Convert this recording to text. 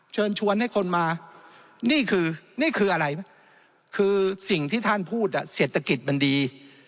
เชิญชวนให้คนมานี่คือนี่คืออะไรคือสิ่งที่ท่านพูดเศรษฐกิจมันดี